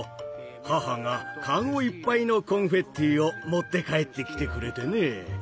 母がカゴいっぱいのコンフェッティを持って帰ってきてくれてね。